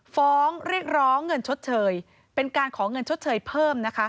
ฟ้องเรียกร้องเงินชดเชยเป็นการขอเงินชดเชยเพิ่มนะคะ